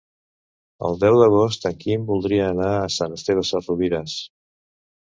El deu d'agost en Quim voldria anar a Sant Esteve Sesrovires.